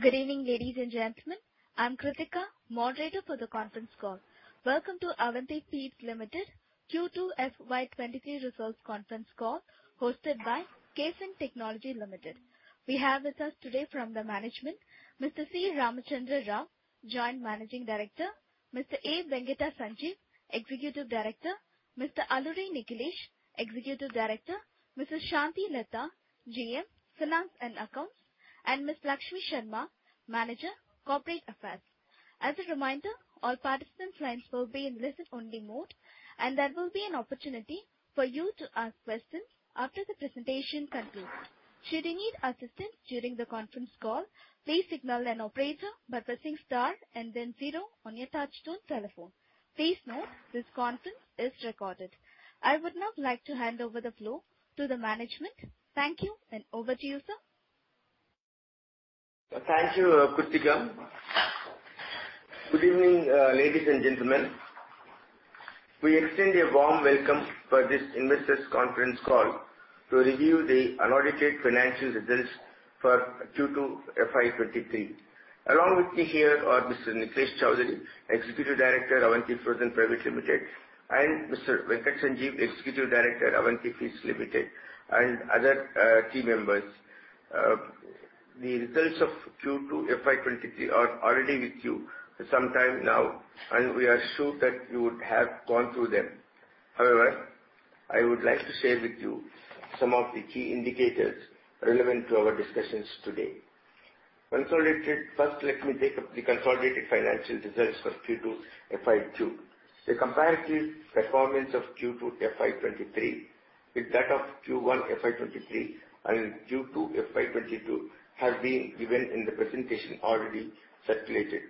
Good evening, ladies and gentlemen. I'm Krithika, moderator for the conference call. Welcome to Avanti Feeds Limited Q2 FY23 Results Conference Call, hosted by KFin Technologies Limited. We have with us today from the management, Mr. C. Ramachandra Rao, Joint Managing Director, Mr. A. Venkata Sanjeev, Executive Director, Mr. Alluri Nikhilesh, Executive Director, Mrs. Santhi Latha, GM, Finance and Accounts, and Miss Lakshmi Sharma, Manager, Corporate Affairs. As a reminder, all participant lines will be in listen-only mode, and there will be an opportunity for you to ask questions after the presentation concludes. Should you need assistance during the conference call, please signal an operator by pressing star and then zero on your touchtone telephone. Please note, this conference is recorded. I would now like to hand over the floor to the management. Thank you, and over to you, sir. Thank you, Krithika. Good evening, ladies and gentlemen. We extend a warm welcome for this investors conference call to review the unaudited financial results for Q2 FY23. Along with me here are Mr. Nikhilesh Chowdary, Executive Director, Avanti Frozen Foods Private Limited, and Mr. Venkata Sanjeev, Executive Director, Avanti Feeds Limited, and other, team members. The results of Q2 FY23 are already with you for some time now, and we are sure that you would have gone through them. However, I would like to share with you some of the key indicators relevant to our discussions today. Consolidated... First, let me take up the consolidated financial results for Q2 FY22. The comparative performance of Q2 FY23 with that of Q1 FY23 and Q2 FY22 has been given in the presentation already circulated.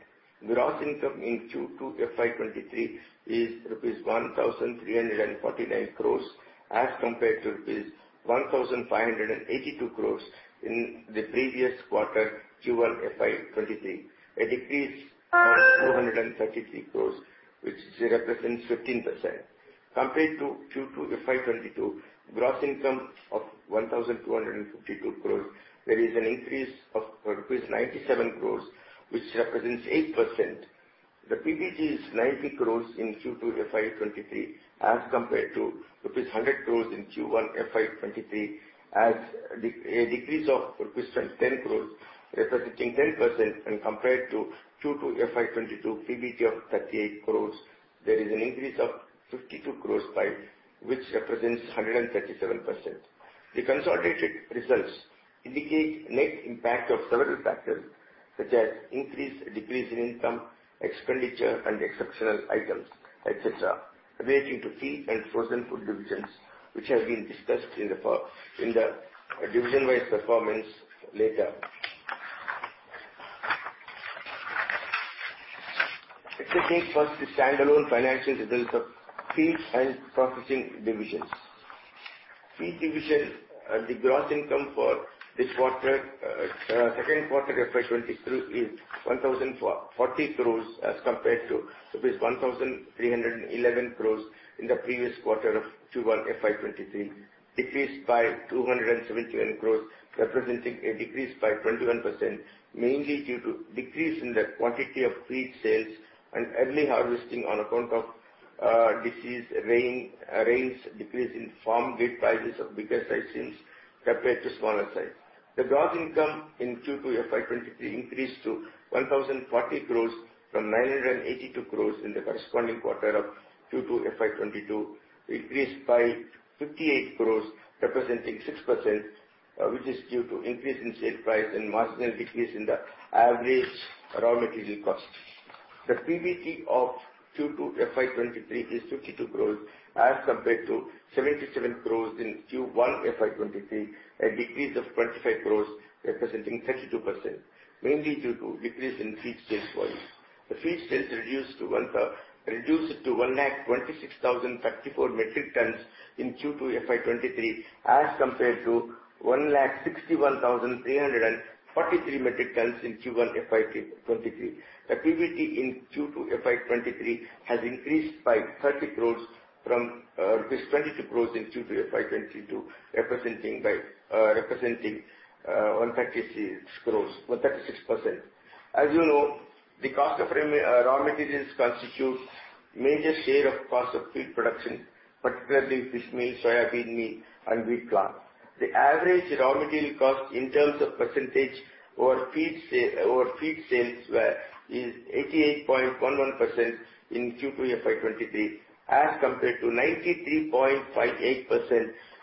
Gross income in Q2 FY 2023 is rupees 1,349 crores, as compared to rupees 1,582 crores in the previous quarter, Q1 FY 2023, a decrease of 433 crores, which represents 15%. Compared to Q2 FY 2022, gross income of 1,252 crores, there is an increase of rupees 97 crores, which represents 8%. The PBT is 90 crores in Q2 FY 2023, as compared to rupees 100 crores in Q1 FY 2023, a decrease of rupees 10 crores, representing 10% and compared to Q2 FY 2022, PBT of 38 crores, there is an increase of 52 crores, which represents 137%. The consolidated results indicate net impact of several factors, such as increase, decrease in income, expenditure and exceptional items, etc., relating to feed and frozen food divisions, which have been discussed in the division-wide performance later. Let us take first the standalone financial results of feeds and processing divisions. Feed division, the gross income for this quarter, second quarter FY 2023 is 1,040 crores as compared to rupees 1,311 crores in the previous quarter of Q1 FY 2023, decreased by 271 crores, representing a 21% decrease, mainly due to decrease in the quantity of feed sales and early harvesting on account of disease, rains, decrease in farm gate prices of bigger size shrimps compared to smaller size. The gross income in Q2 FY2023 increased to 1,040 crores from 982 crores in the corresponding quarter of Q2 FY2022, increased by 58 crores, representing 6%, which is due to increase in sale price and marginal decrease in the average raw material cost. The PBT of Q2 FY2023 is 52 crores as compared to 77 crores in Q1 FY2023, a decrease of 25 crores, representing 32%, mainly due to decrease in feed sales volume. The feed sales reduced to 126,034 metric tons in Q2 FY2023, as compared to 161,343 metric tons in Q1 FY2023. The PBT in Q2 FY 2023 has increased by 30 crore from rupees 22 crore in Q2 FY 2022, representing by, representing, 136 crore, 136%. As you know, the cost of raw materials constitutes major share of cost of feed production, particularly fish meal, soybean meal, and wheat bran. The average raw material cost in terms of percentage over feed sale, over feed sales were, is 88.11% in Q2 FY 2023, as compared to 93.58%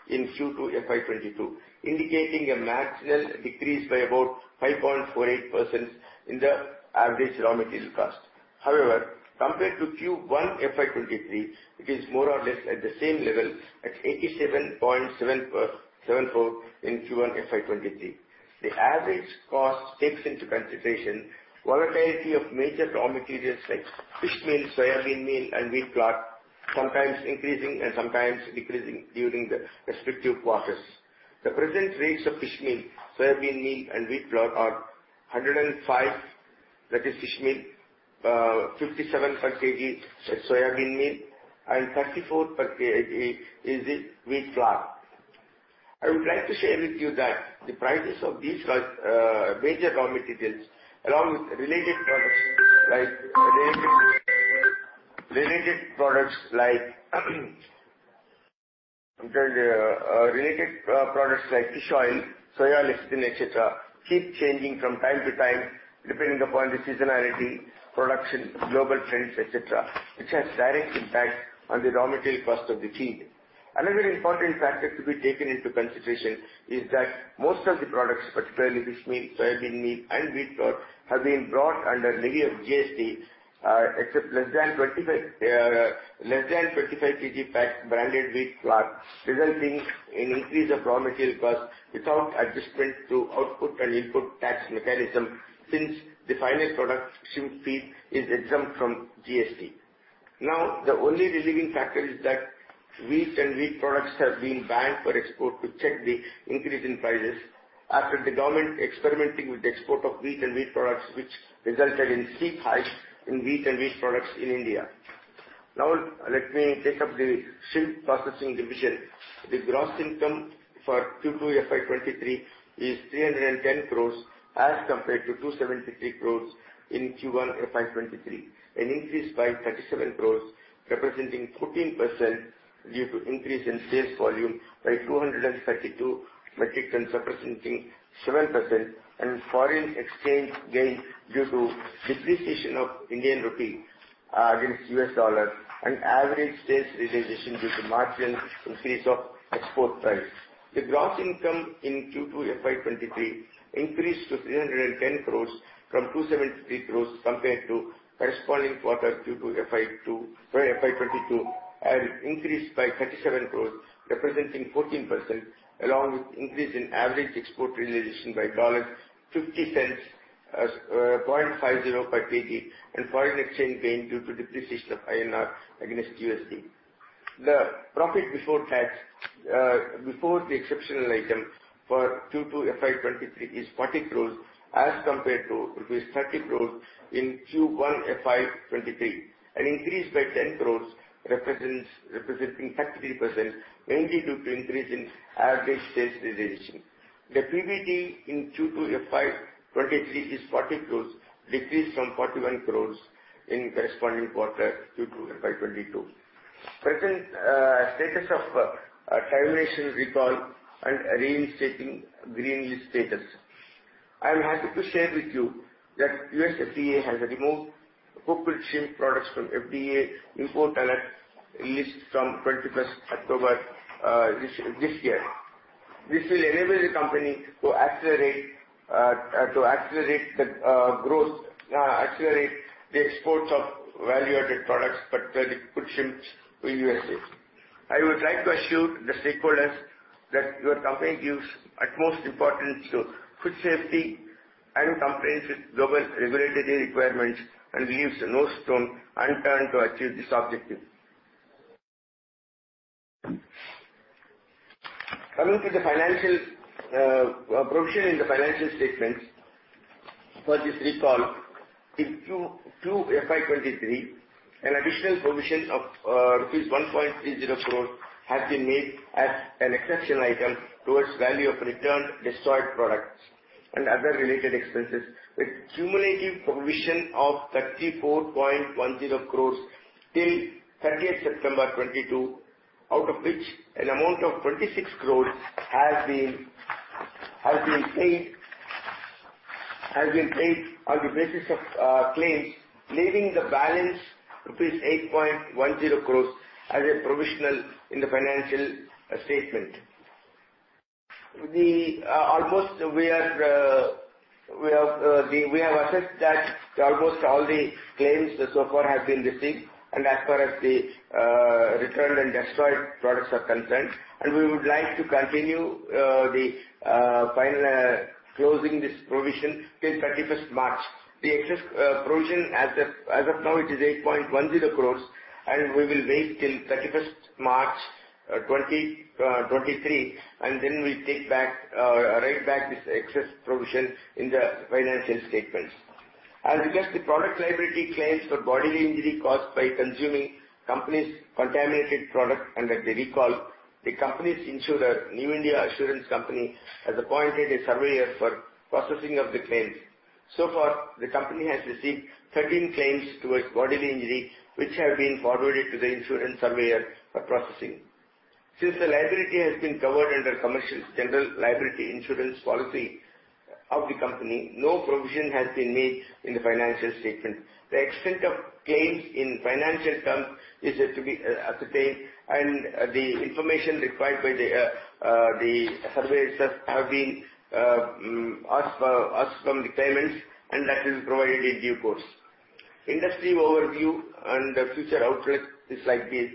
in Q2 FY 2022, indicating a marginal decrease by about 5.48% in the average raw material cost. However, compared to Q1 FY 2023, it is more or less at the same level at 87.74% in Q1 FY 2023. The average cost takes into consideration volatility of major raw materials like fish meal, soybean meal, and wheat bran, sometimes increasing and sometimes decreasing during the respective quarters. The present rates of fish meal, soybean meal, and wheat bran are 105, that is fish meal, 57 per kg is soybean meal, and 34 per kg is it wheat bran. I would like to share with you that the prices of these, major raw materials, along with related products like fish oil, soya lecithin, et cetera, keep changing from time to time, depending upon the seasonality, production, global trends, et cetera, which has direct impact on the raw material cost of the feed. Another important factor to be taken into consideration is that most of the products, particularly fish meal, soybean meal, and wheat flour, have been brought under the levy of GST, except less than 25, less than 25 kg pack branded wheat flour, resulting in increase of raw material cost without adjustment to output and input tax mechanism, since the final product, shrimp feed, is exempt from GST. Now, the only relieving factor is that wheat and wheat products have been banned for export to check the increase in prices after the government experimenting with the export of wheat and wheat products, which resulted in steep highs in wheat and wheat products in India. Now, let me take up the shrimp processing division. The gross income for Q2 FY 2023 is 310 crore, as compared to 273 crore in Q1 FY 2023, an increase by 37 crore, representing 14% due to increase in sales volume by 232 metric tons, representing 7%, and foreign exchange gain due to depreciation of Indian rupee against US dollar, and average sales realization due to marginal increase of export price. The gross income in Q2 FY 2023 increased to 310 crore from 273 crore compared to corresponding quarter Q2 FY, sorry, 2022, and increased by 37 crore, representing 14%, along with increase in average export realization by $0.50 per kg, and foreign exchange gain due to depreciation of INR against USD. The profit before tax, before the exceptional item for Q2 FY 2023, is 40 crore as compared to rupees 30 crore in Q1 FY 2023. An increase by 10 crore represents, representing 30%, mainly due to increase in average sales realization. The PBT in Q2 FY 2023 is 40 crore, decreased from 41 crore in corresponding quarter Q2 FY 2022. Present status of termination recall and reinstating green list status. I'm happy to share with you that U.S. FDA has removed cooked shrimp products from FDA import alert list from twenty-first October, this year. This will enable the company to accelerate, to accelerate the growth, accelerate the exports of value-added products, particularly cooked shrimps to USA. I would like to assure the stakeholders that your company gives utmost importance to food safety and compliance with global regulatory requirements, and leaves no stone unturned to achieve this objective. Coming to the financial provision in the financial statements for this recall. In Q2 FY 2023, an additional provision of rupees 1.30 crore has been made as an exceptional item towards value of returned, destroyed products and other related expenses, with cumulative provision of 34.10 crore till 30 September 2022, out of which an amount of 26 crore has been paid on the basis of claims, leaving the balance rupees 8.10 crore as a provisional in the financial statement. We have assessed that almost all the claims so far have been received, and as far as the returned and destroyed products are concerned, and we would like to continue the final closing this provision till 31st March. The excess provision as of now, it is 8.10 crore, and we will wait till 31st March 2023, and then we write back this excess provision in the financial statements. As regards the product liability claims for bodily injury caused by consuming company's contaminated product under the recall, the company's insurer, New India Assurance Company, has appointed a surveyor for processing of the claims. So far, the company has received 13 claims towards bodily injury, which have been forwarded to the insurance surveyor for processing. Since the liability has been covered under commercial general liability insurance policy of the company, no provision has been made in the financial statement. The extent of claims in financial terms is yet to be ascertained, and the information required by the surveyors have been asked from the claimants, and that is provided in due course. Industry overview and future outlook is like this: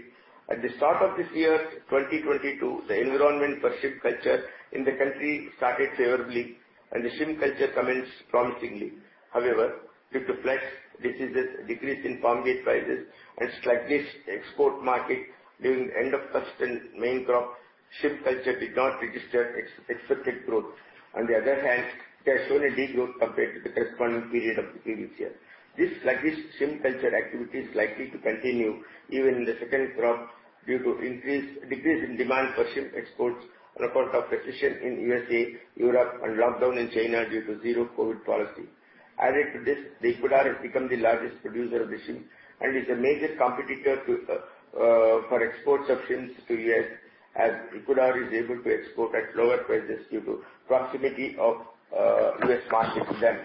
At the start of this year, 2022, the environment for shrimp culture in the country started favorably, and the shrimp culture commenced promisingly. However, due to plague decrease in APM gas prices, and sluggish export market during end of first and main crop, shrimp culture did not register expected growth. On the other hand, it has shown a deep growth compared to the corresponding period of the previous year. This sluggish shrimp culture activity is likely to continue even in the second crop due to decrease in demand for shrimp exports on account of recession in USA, Europe, and lockdown in China due to zero COVID policy. Added to this, Ecuador has become the largest producer of the shrimp, and is a major competitor to for export of shrimps to US, as Ecuador is able to export at lower prices due to proximity of US market to them.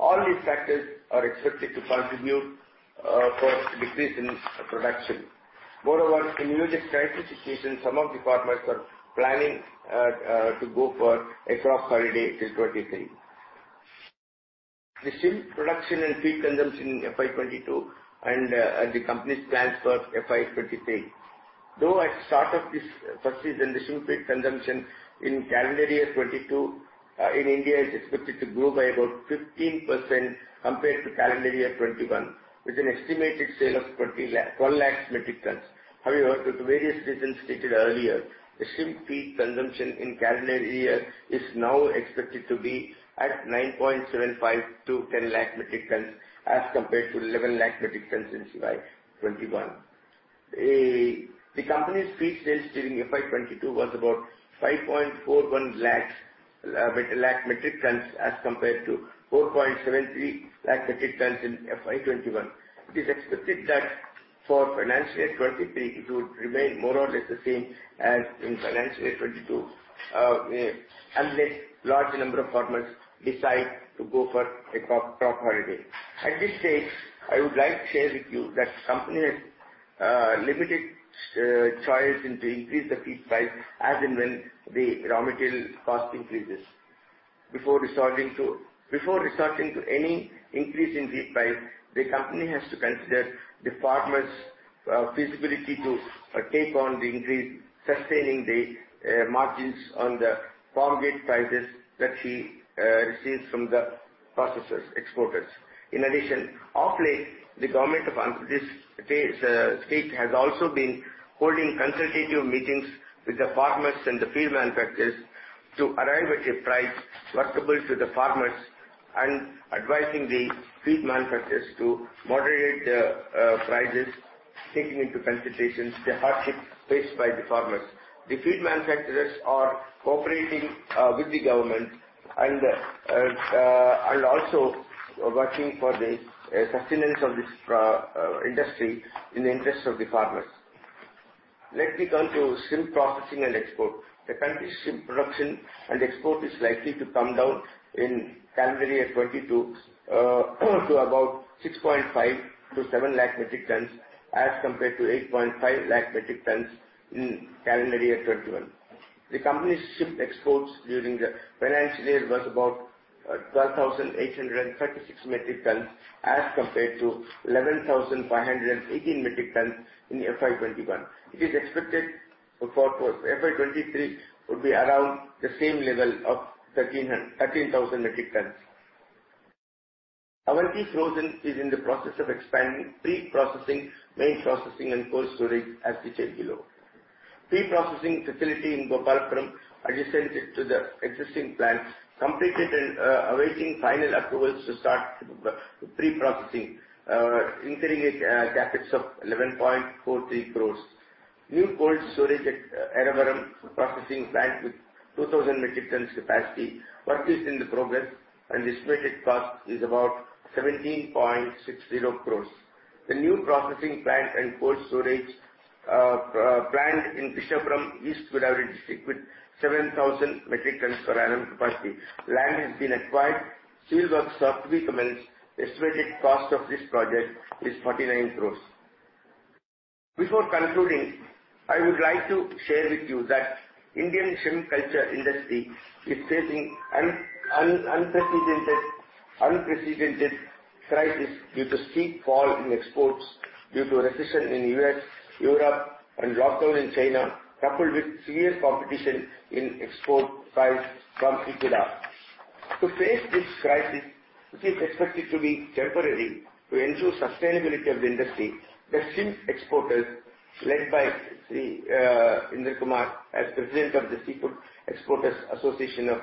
All these factors are expected to contribute for decrease in production. Moreover, in view of the current situation, some of the farmers are planning to go for a crop holiday in 2023. The shrimp production and feed consumption in FY 2022 and the company's plans for FY 2023. Though at start of this season, the shrimp feed consumption in calendar year 2022 in India is expected to grow by about 15% compared to calendar year 2021, with an estimated sale of 12 lakh metric tons. However, due to various reasons stated earlier, the shrimp feed consumption in calendar year is now expected to be at 9.75-10 lakh metric tons, as compared to 11 lakh metric tons in FY 2021. The company's feed sales during FY 2022 was about 5.41 lakh metric tons, as compared to 4.73 lakh metric tons in FY 2021. It is expected that for financial year 2023, it would remain more or less the same as in financial year 2022, unless large number of farmers decide to go for a crop, crop holiday. At this stage, I would like to share with you that company has limited choice in to increase the feed price as and when the raw material cost increases. Before resorting to any increase in feed price, the company has to consider the farmers' feasibility to take on the increase, sustaining the margins on the farm gate prices that he receives from the processors, exporters. In addition, of late, the government of Andhra Pradesh state has also been holding consultative meetings with the farmers and the feed manufacturers to arrive at a price workable to the farmers, and advising the feed manufacturers to moderate the prices, taking into considerations the hardship faced by the farmers. The feed manufacturers are cooperating with the government and also working for the sustenance of this industry in the interest of the farmers. Let me come to shrimp processing and export. The country's shrimp production and export is likely to come down in calendar year 2022 to about 6.5-7 lakh metric tons, as compared to 8.5 lakh metric tons in calendar year 2021. The company's shrimp exports during the financial year was about 12,836 metric tons as compared to 11,518 metric tons in FY 2021. It is expected for FY 2023 would be around the same level of 13,000 metric tons. Avanti Frozen Foods is in the process of expanding pre-processing, main processing and cold storage, as detailed below. Pre-processing facility in Gopalapuram, adjacent to the existing plant, completed and awaiting final approvals to start the pre-processing, incurring a CapEx of 11.43 crore. New cold storage at Yerravaram processing plant with 2,000 metric tons capacity, work is in progress and estimated cost is about 17.60 crore. The new processing plant and cold storage plant in Visakhapatnam, East Godavari district, with 7,000 metric tons per annum capacity. Land has been acquired, civil works are to be commenced. Estimated cost of this project is 49 crore. Before concluding, I would like to share with you that Indian shrimp culture industry is facing unprecedented crisis due to steep fall in exports, due to recession in US, Europe, and lockdown in China, coupled with serious competition in export price from Ecuador. To face this crisis, which is expected to be temporary, to ensure sustainability of the industry, the shrimp exporters, led by Sri Indra Kumar, as President of the Seafood Exporters Association of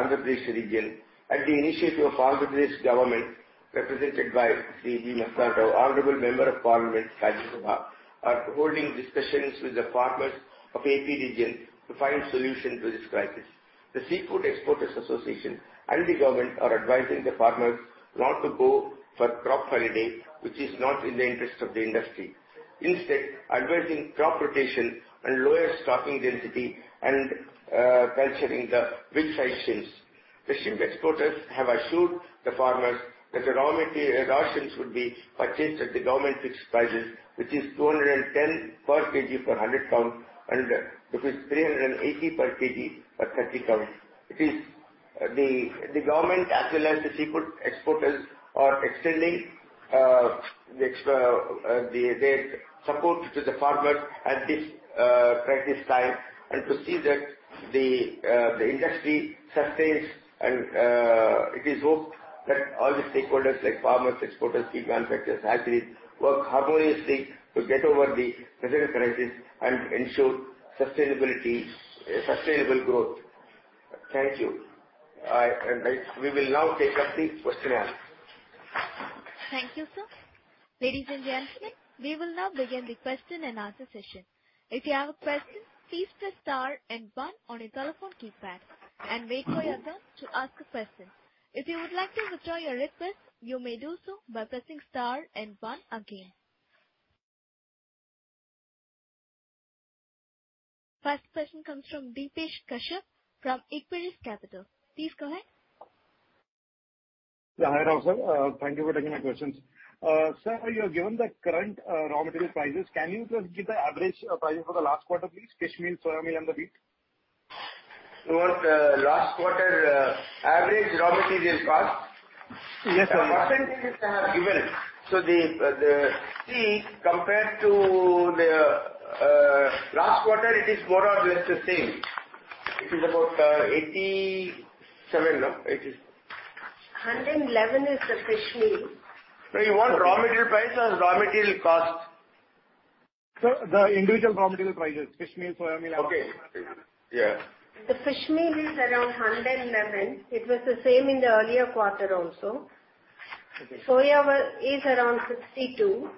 India, and the initiative of Andhra Pradesh government, represented by Sri B. Masthan Rao, Honorable Member of Parliament, Rajya Sabha, are holding discussions with the farmers of AP region to find solution to this crisis. The Seafood Exporters Association and the government are advising the farmers not to go for crop holiday, which is not in the interest of the industry. Instead, advising crop rotation and lower stocking density and culturing the big size shrimps. The shrimp exporters have assured the farmers that the raw shrimps would be purchased at the government fixed prices, which is 210 per kg per 100 count, and which is rupees 380 per kg per 30 count. The government, as well as the seafood exporters, are extending their support to the farmers at this crisis time and to see that the industry sustains. It is hoped that all the stakeholders like farmers, exporters, feed manufacturers, hatcheries, work harmoniously to get over the present crisis and ensure sustainability, sustainable growth. Thank you. We will now take up the question and answer. ...Thank you, sir. Ladies and gentlemen, we will now begin the question and answer session. If you have a question, please press star and one on your telephone keypad and wait for your turn to ask a question. If you would like to withdraw your request, you may do so by pressing star and one again. First question comes from Depesh Kashyap from Equirus Capital. Please go ahead. Yeah, hi, Rao, sir. Thank you for taking my questions. Sir, you have given the current raw material prices. Can you just give the average price for the last quarter, please? Fish meal, soya meal, and the wheat. You want, last quarter, average raw material cost? Yes, sir. Percentage I have given. So the compared to the last quarter, it is more or less the same. It is about 87, no? 80... 111 is the fish meal. Do you want raw material price or raw material cost? Sir, the individual raw material prices, Fish meal, Soybean meal. Okay. Yeah. The Fish meal is around 111. It was the same in the earlier quarter also. Okay. Soya is around 62,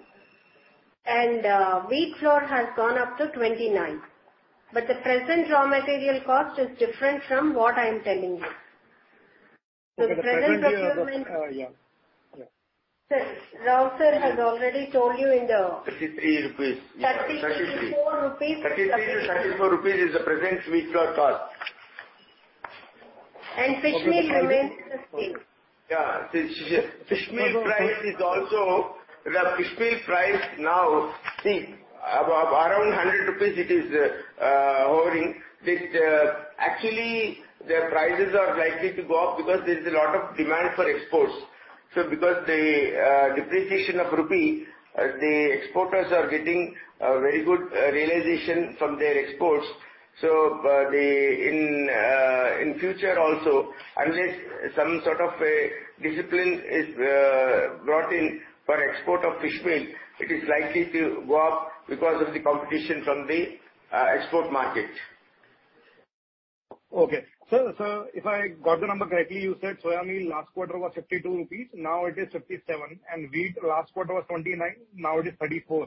and wheat flour has gone up to 29. But the present raw material cost is different from what I am telling you. So the present procurement. Sir, Rao, sir, has already told you in the- 33 rupees. 34 rupees. 33-34 rupees is the present wheat flour cost. Fish meal remains the same. Yeah, fish meal price is also, the fish meal price now, see, around 100 rupees it is, hovering. This, actually, the prices are likely to go up because there's a lot of demand for exports. So because the depreciation of rupee, the exporters are getting a very good realization from their exports. So, the, in, in future also, unless some sort of a discipline is brought in for export of fish meal, it is likely to go up because of the competition from the export market. Okay. So, sir, if I got the number correctly, you said soya meal last quarter was 52 rupees, now it is 57, and wheat last quarter was 29, now it is 34.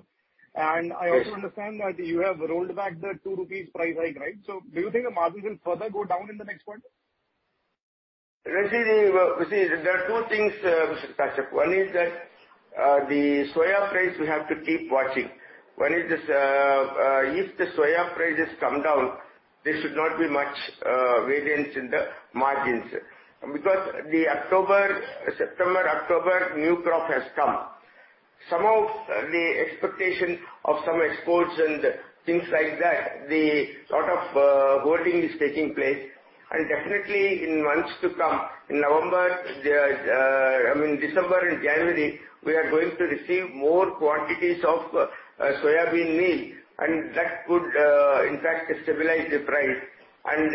Yes. I also understand that you have rolled back the 2 rupees price hike, right? Do you think the margin will further go down in the next quarter? You see, there are two things, Mr. Kashyap. One is that, the soya price, we have to keep watching. One is this, if the soya prices come down, there should not be much, variance in the margins, because the October, September, October, new crop has come. Some of the expectation of some exports and things like that, the sort of, holding is taking place. And definitely in months to come, in November, I mean, December and January, we are going to receive more quantities of, soya bean meal, and that could, in fact, stabilize the price. And,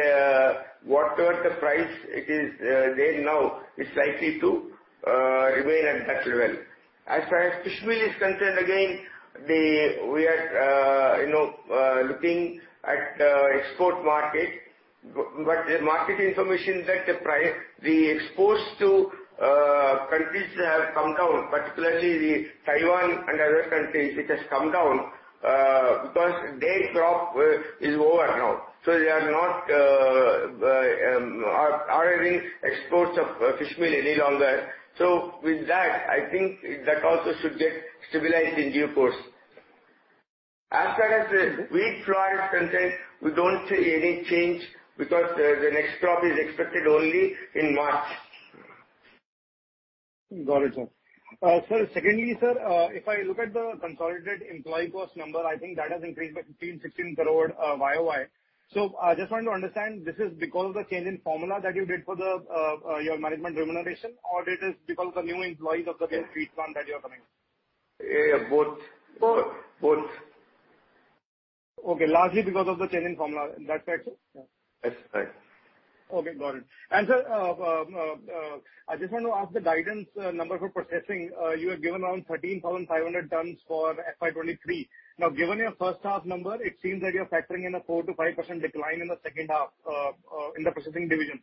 whatever the price it is, there now, is likely to, remain at that level. As far as fish meal is concerned, again, the... We are, you know, looking at the export market, but the market information that the price, the exports to countries have come down, particularly the Taiwan and other countries, it has come down, because their crop is over now, so they are not ordering exports of fish meal any longer. So with that, I think that also should get stabilized in due course. As far as the wheat flour is concerned, we don't see any change because the next crop is expected only in March. Got it, sir. Sir, secondly, sir, if I look at the consolidated employee cost number, I think that has increased by 15- 16 crore YOY. So I just want to understand, this is because of the change in formula that you did for the, your management remuneration, or it is because of the new employees of the wheat plant that you are coming? Yeah, both. Both, both. Okay, largely because of the change in formula, that's right? That's right. Okay, got it. And, sir, I just want to ask the guidance number for processing. You have given around 13,500 tons for FY 2023. Now, given your first half number, it seems that you're factoring in a 4%-5% decline in the second half, in the processing division.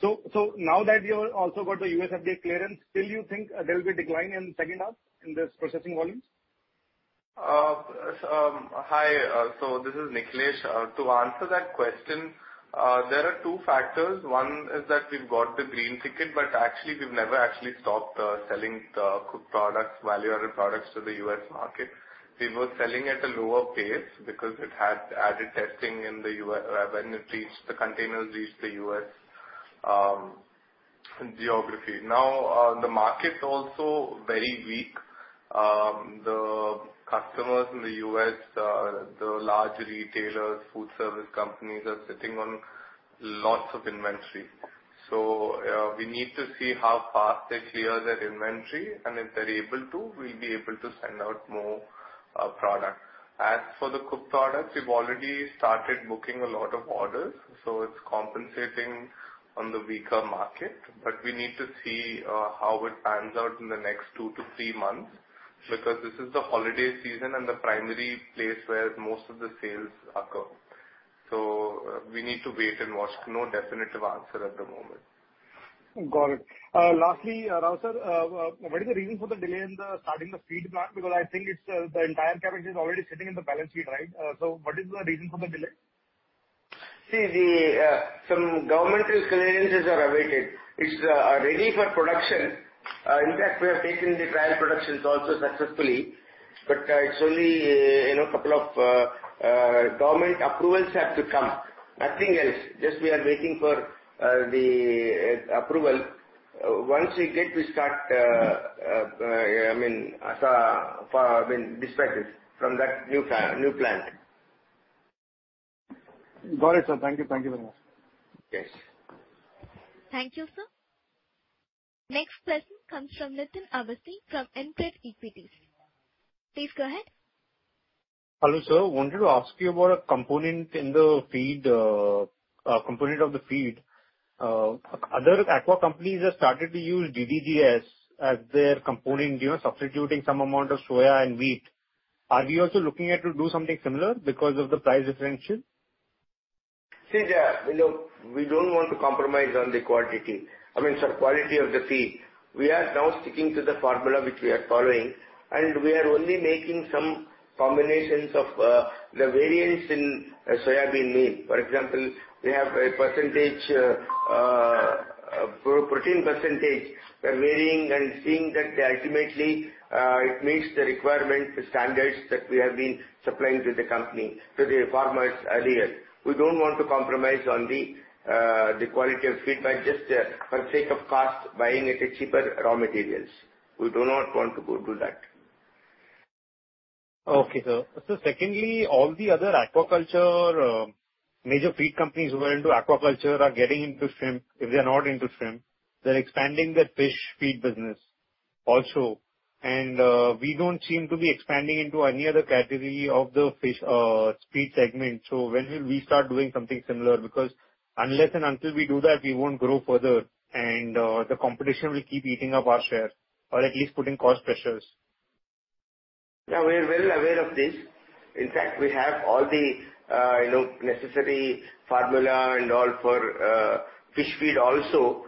So, now that you also got the U.S. FDA clearance, still you think there will be decline in second half in this processing volumes? Hi, so this is Nikhilesh. To answer that question, there are two factors. One is that we've got the green ticket, but actually, we've never actually stopped selling the cooked products, value-added products to the U.S. market. We were selling at a lower pace because it had added testing in the U.S. when it reached, the containers reached the U.S. geography. Now, the market is also very weak. The customers in the U.S., the large retailers, food service companies, are sitting on lots of inventory. So, we need to see how fast they clear their inventory, and if they're able to, we'll be able to send out more product. As for the cooked products, we've already started booking a lot of orders, so it's compensating on the weaker market. We need to see how it pans out in the next two to three months, because this is the holiday season and the primary place where most of the sales occur. So we need to wait and watch. No definitive answer at the moment. Got it. Lastly, Rao sir, what is the reason for the delay in the starting the feed plant? Because I think it's the entire capacity is already sitting in the balance sheet, right? So what is the reason for the delay? See the, some governmental clearances are awaited. It's, ready for production. In fact, we have taken the trial productions also successfully, but, it's only, you know, couple of, government approvals have to come, nothing else. Just we are waiting for, the approval. Once we get, we start, I mean, for, I mean, dispatch it from that new plant. Got it, sir. Thank you. Thank you very much. Yes. Thank you, sir. Next question comes from Nitin Awasthi from InCred Capital. Please go ahead. Hello, sir. I wanted to ask you about a component in the feed, component of the feed. Other aqua companies have started to use DDGS as their component, you know, substituting some amount of soya and wheat. Are you also looking at to do something similar because of the price differential? See, the, you know, we don't want to compromise on the quality, I mean, sir, quality of the feed. We are now sticking to the formula which we are following, and we are only making some combinations of the variance in soybean meal. For example, we have a percentage, protein percentage. We're varying and seeing that ultimately, it meets the requirement, the standards that we have been supplying to the company, to the farmers earlier. We don't want to compromise on the, the quality of feed by just, for sake of cost, buying at a cheaper raw materials. We do not want to go do that. Okay, sir. So secondly, all the other aquaculture major feed companies who are into aquaculture are getting into shrimp. If they are not into shrimp, they're expanding their fish feed business also, and we don't seem to be expanding into any other category of the fish feed segment. So when will we start doing something similar? Because unless and until we do that, we won't grow further and the competition will keep eating up our share or at least putting cost pressures. Yeah, we are well aware of this. In fact, we have all the, you know, necessary formula and all for fish feed also.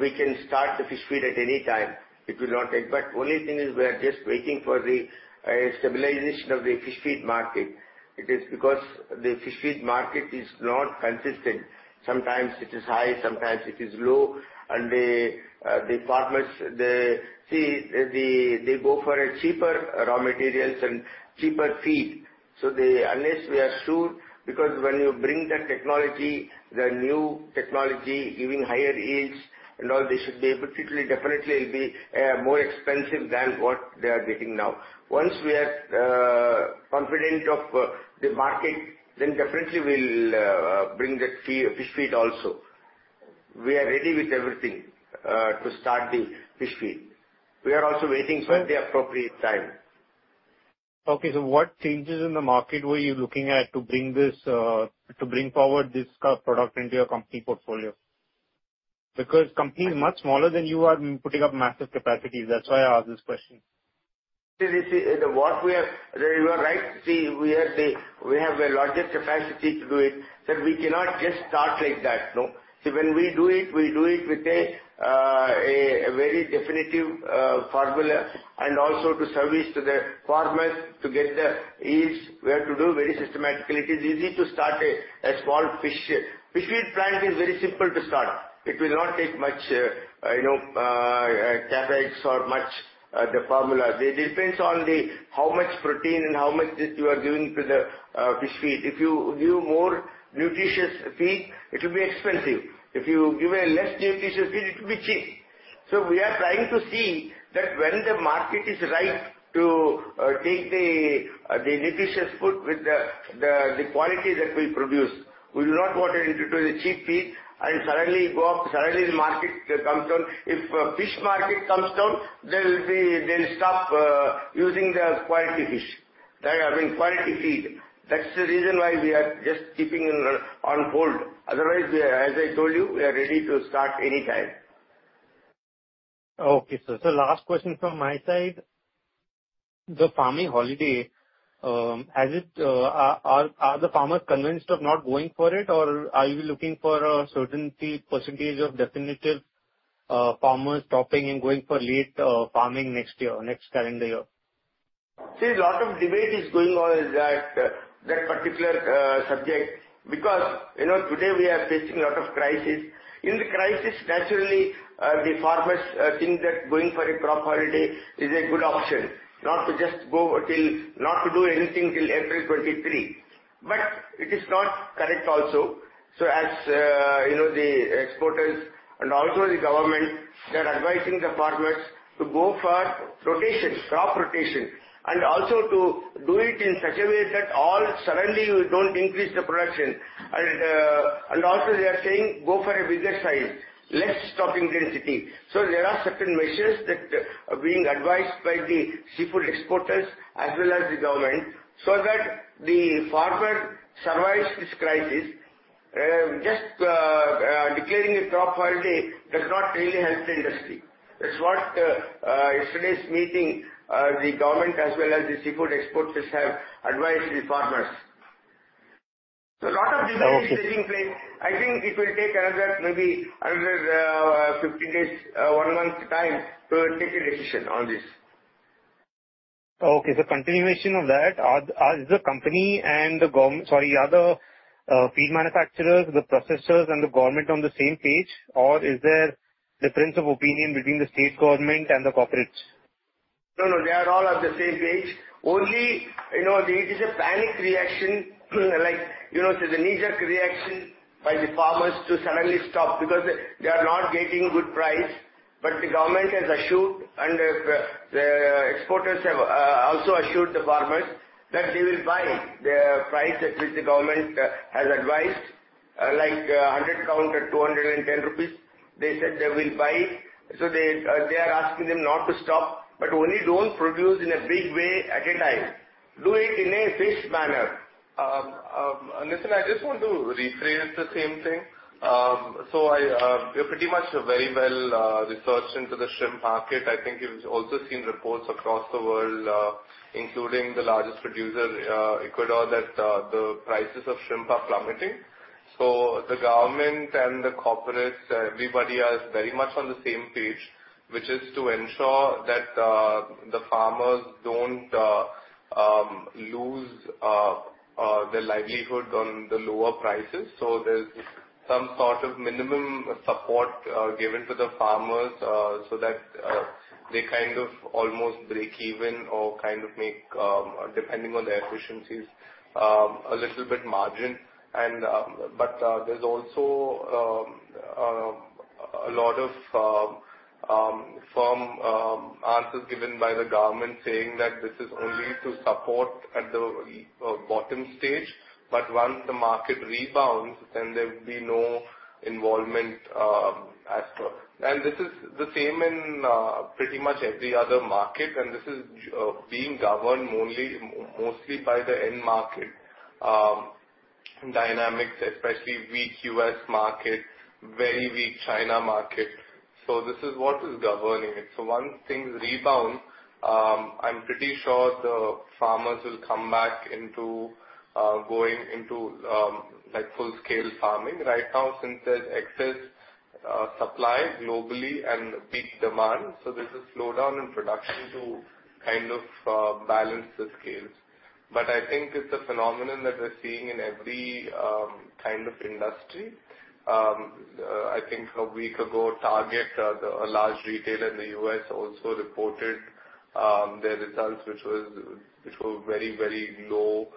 We can start the fish feed at any time. It will not take... But only thing is we are just waiting for the stabilization of the fish feed market. It is because the fish feed market is not consistent. Sometimes it is high, sometimes it is low, and the farmers, they see, they go for cheaper raw materials and cheaper feed. So they unless we are sure, because when you bring the technology, the new technology, giving higher yields and all, they should be able to definitely it will be more expensive than what they are getting now. Once we are confident of the market, then definitely we'll bring the fish feed also. We are ready with everything, to start the fish feed. We are also waiting for the appropriate time. Okay, so what changes in the market were you looking at to bring forward this product into your company portfolio? Because company is much smaller than you are putting up massive capacities. That's why I asked this question. See, what we have. You are right. See, we have a larger capacity to do it, but we cannot just start like that, no. So when we do it, we do it with a very definitive formula, and also to service to the farmers to get the yields, we have to do very systematically. It is easy to start a small fish feed plant. It is very simple to start. It will not take much, you know, CapEx or much the formula. It depends on how much protein and how much that you are giving to the fish feed. If you give more nutritious feed, it will be expensive. If you give a less nutritious feed, it will be cheap. We are trying to see that when the market is right to take the nutritious food with the quality that we produce, we do not want to into the cheap feed and suddenly go up, suddenly the market comes down. If fish market comes down, they'll stop using the quality fish, I mean, quality feed. That's the reason why we are just keeping it on hold. Otherwise, we are, as I told you, we are ready to start anytime. Okay, sir. So last question from my side. The farming holiday, has it, are the farmers convinced of not going for it, or are you looking for a certainty, percentage of definitive farmers stopping and going for late farming next year or next calendar year? See, a lot of debate is going on that, that particular subject, because, you know, today we are facing a lot of crisis. In the crisis, naturally, the farmers think that going for a crop holiday is a good option, not to just go till, not to do anything till April 2023. But it is not correct also. So as, you know, the exporters and also the government, they are advising the farmers to go for rotation, crop rotation, and also to do it in such a way that all suddenly you don't increase the production. And, and also they are saying, "Go for a bigger size, less stocking density." So there are certain measures that are being advised by the seafood exporters as well as the government, so that the farmer survives this crisis. Just, declaring it top quality does not really help the industry. That's what, yesterday's meeting, the government as well as the seafood exporters have advised the farmers. So a lot of debate- Okay. - is taking place. I think it will take another, maybe another, fifteen days, one month time to take a decision on this. Okay, so continuation of that, are the company and the government... Sorry, are the feed manufacturers, the processors, and the government on the same page, or is there difference of opinion between the state government and the corporates? No, no, they are all on the same page. Only, you know, it is a panic reaction, like, you know, it's a knee-jerk reaction by the farmers to suddenly stop because they are not getting good price. But the government has assured, and the exporters have also assured the farmers that they will buy the price at which the government has advised, like, 100 count at 210 rupees. They said they will buy, so they are asking them not to stop, but only don't produce in a big way at a time. Do it in a phased manner. Listen, I just want to rephrase the same thing. We are pretty much very well researched into the shrimp market. I think you've also seen reports across the world, including the largest producer, Ecuador, that the prices of shrimp are plummeting. So the government and the corporates, everybody is very much on the same page, which is to ensure that the farmers don't lose their livelihood on the lower prices. So there's some sort of minimum support given to the farmers, so that they kind of almost break even or kind of make, depending on their efficiencies, a little bit margin. There's also a lot of firm answers given by the government, saying that this is only to support at the bottom stage, but once the market rebounds, then there will be no involvement after. And this is the same in pretty much every other market, and this is being governed mostly by the end market dynamics, especially weak U.S. market, very weak China market. So this is what is governing it. So once things rebound, I'm pretty sure the farmers will come back into going into like full-scale farming. Right now, since there's excess supply globally and peak demand, so there's a slowdown in production to kind of balance the scales. But I think it's a phenomenon that we're seeing in every kind of industry. I think a week ago, Target, a large retailer in the US, also reported their results, which were very, very low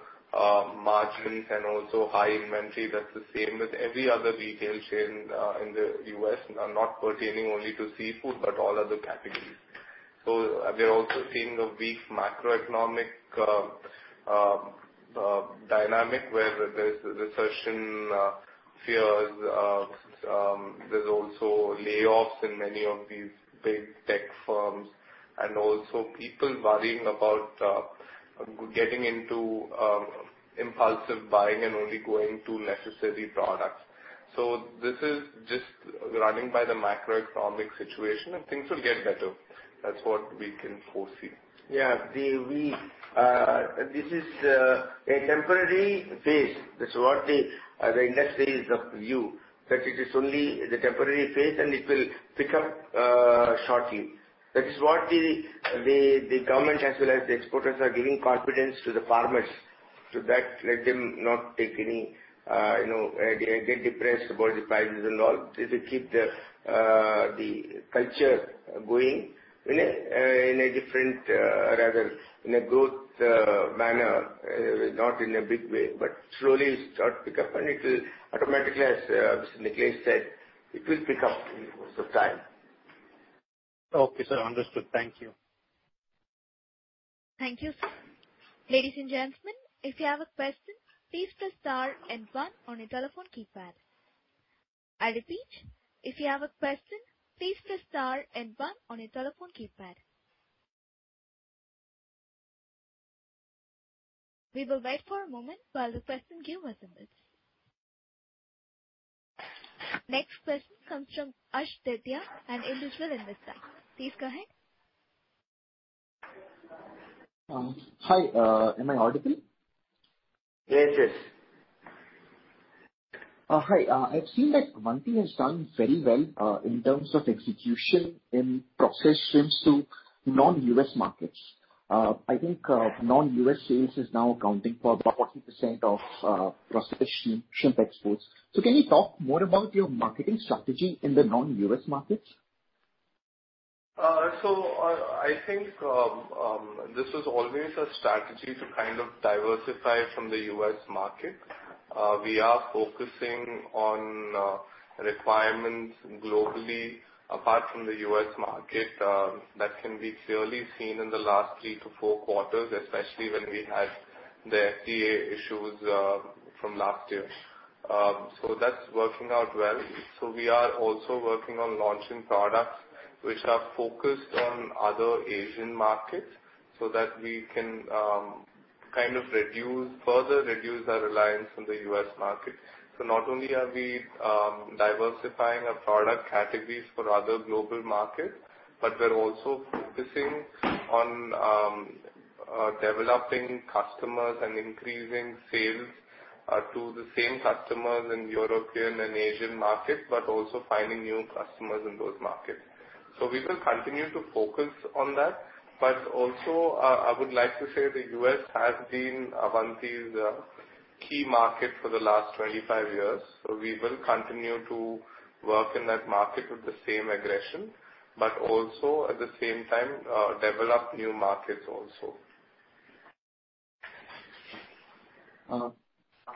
margins and also high inventory. That's the same with every other retail chain in the U.S., not pertaining only to seafood, but all other categories. So we're also seeing a weak macroeconomic dynamic, where there's recession fears. There's also layoffs in many of these big tech firms, and also people worrying about getting into impulsive buying and only going to necessary products. So this is just running by the macroeconomic situation, and things will get better. That's what we can foresee. Yeah, we... This is a temporary phase. That's what the industry is of view, that it is only the temporary phase, and it will pick up shortly. That is what the government as well as the exporters are giving confidence to the farmers, so that let them not take any, you know, get depressed about the prices and all. They will keep the culture going in a different, rather, in a good manner, not in a big way, but slowly start to pick up, and it will automatically, as Nicholas said, it will pick up with time. Okay, sir. Understood. Thank you. Thank you. Ladies and gentlemen, if you have a question, please press star and one on your telephone keypad. I repeat, if you have a question, please press star and one on your telephone keypad. We will wait for a moment while the question queue assembles. Next question comes from Ash Aditya, an individual investor. Please go ahead. Hi, am I audible? Yes, yes. Hi. I've seen that Avanti has done very well in terms of execution in processed shrimps to non-US markets. I think non-US sales is now accounting for about 40% of processed shrimp shrimp exports. So can you talk more about your marketing strategy in the non-US markets? So, I think this is always a strategy to kind of diversify from the US market. We are focusing on requirements globally, apart from the US market, that can be clearly seen in the last 3-4 quarters, especially when we had the FDA issues from last year. So that's working out well. So we are also working on launching products which are focused on other Asian markets, so that we can kind of reduce, further reduce our reliance on the US market. So not only are we diversifying our product categories for other global markets, but we're also focusing on developing customers and increasing sales to the same customers in European and Asian markets, but also finding new customers in those markets. So we will continue to focus on that. But also, I would like to say the US has been Avanti's key market for the last 25 years, so we will continue to work in that market with the same aggression, but also at the same time, develop new markets also.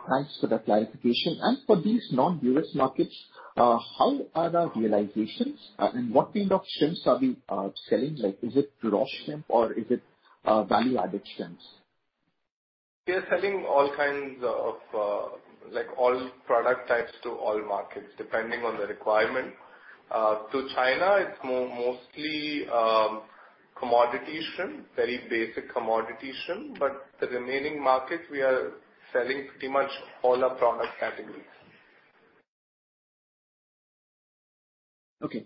Thanks for the clarification. And for these non-US markets, how are our realizations? And what kind of shrimps are we selling? Like, is it raw shrimp or is it value-added shrimps? We are selling all kinds of, like, all product types to all markets, depending on the requirement. To China, it's mostly commodity shrimp, very basic commodity shrimp, but the remaining markets we are selling pretty much all our product categories. Okay.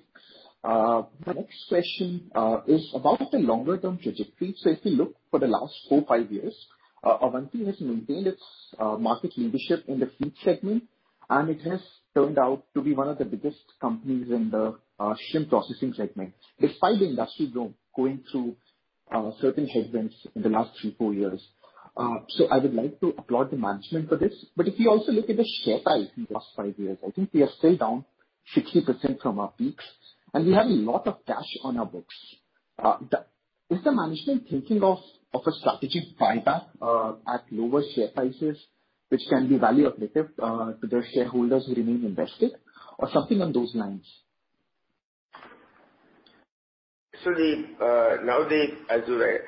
My next question is about the longer-term trajectory. So if you look for the last four, five years, Avanti has maintained its market leadership in the feed segment, and it has turned out to be one of the biggest companies in the shrimp processing segment, despite the industry going through certain headwinds in the last thre, four years. So I would like to applaud the management for this. But if you also look at the share price in the last five years, I think we are still down 60% from our peaks, and we have a lot of cash on our books. Is the management thinking of a strategic buyback at lower share prices, which can be value accretive to the shareholders who remain invested, or something on those lines? Now, as you were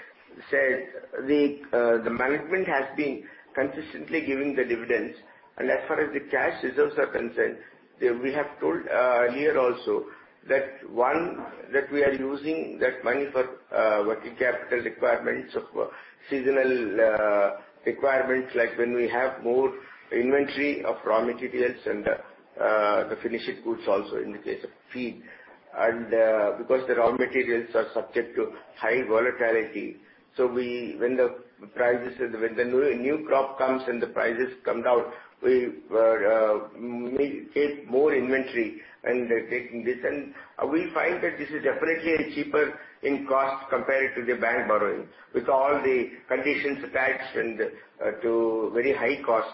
said, the management has been consistently giving the dividends, and as far as the cash reserves are concerned, we have told earlier also that, one, that we are using that money for working capital requirements of seasonal requirements, like when we have more inventory of raw materials and the finished goods also in the case of feed. Because the raw materials are subject to high volatility, when the prices, when the new crop comes and the prices come down, we make, take more inventory and taking this. We find that this is definitely cheaper in cost compared to the bank borrowing, with all the conditions attached and to very high cost.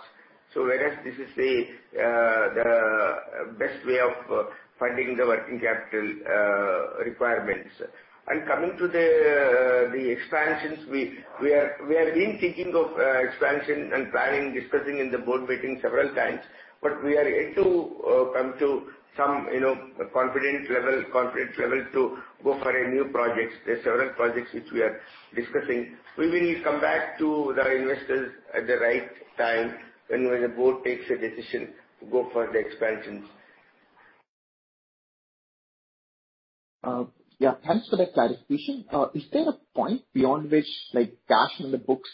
So whereas this is the, the best way of funding the working capital, requirements. Coming to the, the expansions, we, we are, we have been thinking of, expansion and planning, discussing in the board meeting several times, but we are yet to, come to some, you know, confidence level, confidence level to go for a new projects. There are several projects which we are discussing. We will come back to the investors at the right time when, when the board takes a decision to go for the expansions. Yeah, thanks for that clarification. Is there a point beyond which, like, cash on the books,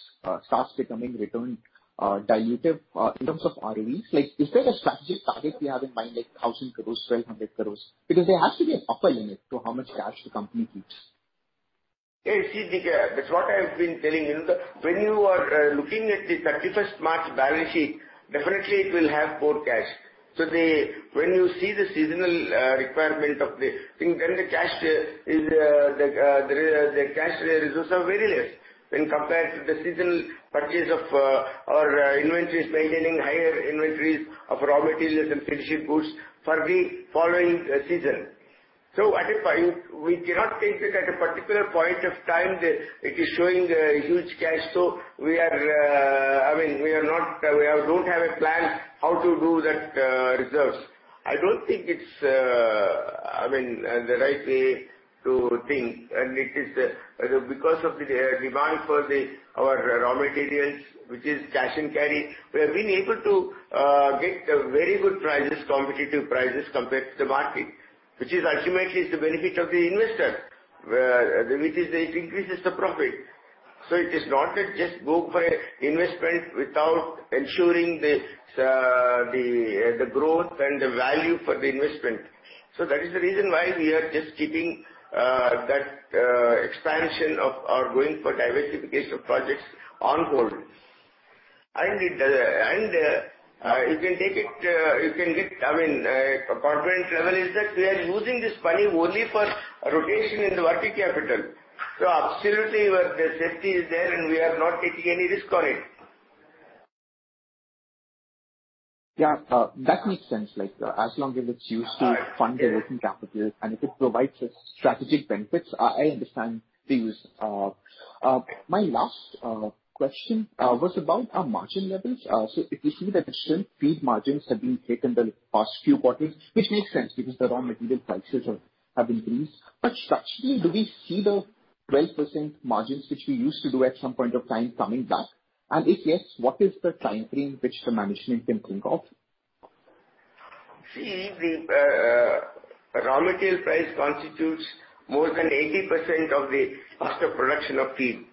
starts becoming return, diluted, in terms of ROEs? Like, is there a strategic target we have in mind, like 1,000 crore, 1,200 crore? Because there has to be an upper limit to how much cash the company keeps. Yeah, you see, that's what I've been telling you. When you are looking at the 31st March balance sheet, definitely it will have more cash. So when you see the seasonal requirement of the... Then the cash reserves are very less when compared to the seasonal purchase of our inventories, maintaining higher inventories of raw materials and finished goods for the following season. So at a point, we cannot take it at a particular point of time, that it is showing a huge cash flow. We are, I mean, we don't have a plan how to do that reserves. I don't think it's, I mean, the right way to think, and it is, because of the demand for the, our raw materials, which is cash and carry, we have been able to, get very good prices, competitive prices compared to the market, which is ultimately is the benefit of the investor, which is it increases the profit. So it is not just go for investment without ensuring the, the, the growth and the value for the investment. So that is the reason why we are just keeping, that, expansion of, or going for diversification projects on hold. And it, and, you can take it, you can get. I mean, confidence level is that we are using this money only for rotation in the working capital. Absolutely, the safety is there, and we are not taking any risk on it. Yeah, that makes sense. Like, as long as it's used to fund the working capital, and if it provides us strategic benefits, I, I understand the use. My last question was about our margin levels. So if you see that the shrimp feed margins have been hit in the past few quarters, which makes sense because the raw material prices are, have increased. But structurally, do we see the 12% margins, which we used to do at some point of time, coming back? And if yes, what is the time frame which the management can think of?... See, the raw material price constitutes more than 80% of the cost of production of feed.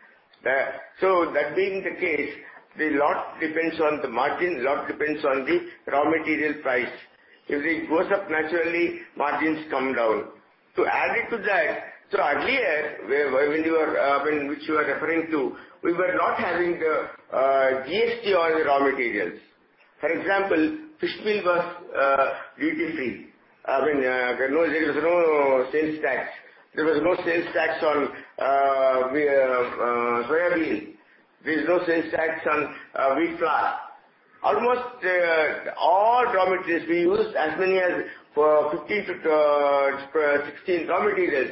So that being the case, the lot depends on the margin, lot depends on the raw material price. If it goes up, naturally, margins come down. To add it to that, so earlier, when you are referring to, we were not having the GST on the raw materials. For example, fish meal was duty free. I mean, there was no sales tax. There was no sales tax on soya meal. There's no sales tax on wheat flour. Almost all raw materials we use as many as 15-16 raw materials.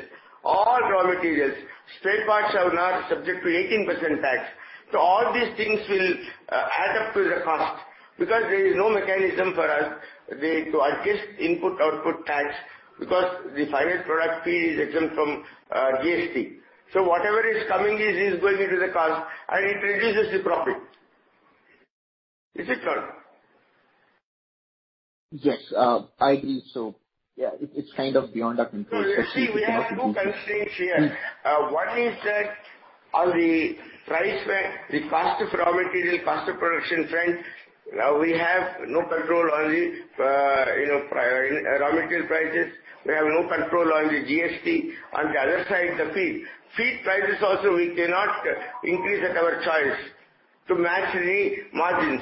All raw materials, spare parts are now subject to 18% tax. So all these things will add up to the cost, because there is no mechanism for us to adjust input, output tax, because the final product feed is exempt from GST. So whatever is coming is going into the cost and it reduces the profit. Is it clear? Yes. I agree. So, yeah, it, it's kind of beyond our control. So you see, we have two constraints here. One is that on the price front, the cost of raw material, cost of production front, we have no control on the, you know, raw material prices. We have no control on the GST. On the other side, the feed. Feed prices also, we cannot increase at our choice to match the margins,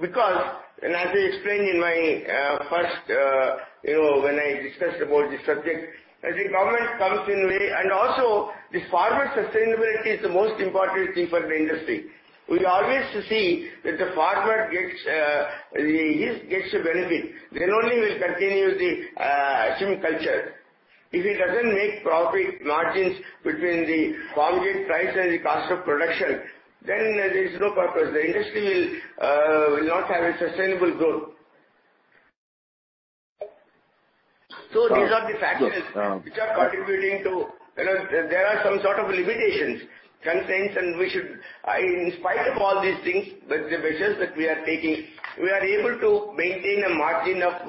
because and as I explained in my, first, you know, when I discussed about this subject, I think government comes in way, and also the farmer sustainability is the most important thing for the industry. We always see that the farmer gets, he gets the benefit, then only he will continue the, shrimp culture. If he doesn't make profit margins between the farm gate price and the cost of production, then there is no purpose. The industry will not have a sustainable growth. So these are the factors- Yes, uh. -which are contributing to... You know, there are some sort of limitations, constraints, and we should... In spite of all these things, the measures that we are taking, we are able to maintain a margin of,